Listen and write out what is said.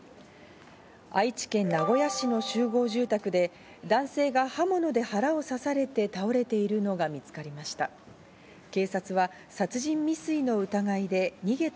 愛知県名古屋市の集合住宅で男性が刃物で腹を刺されて倒れているのが見つかりました。